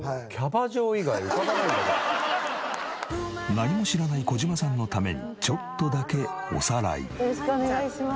何も知らない児嶋さんのためにちょっとだけおさらい。